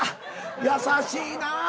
優しいなぁ。